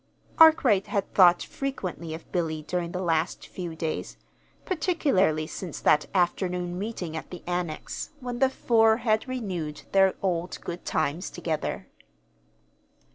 Arkwright had thought frequently of Billy during the last few days, particularly since that afternoon meeting at the Annex when the four had renewed their old good times together.